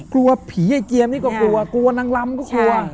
กลัวผีไอ้เจียมนี่ก็กลัวกลัวนางลำก็กลัว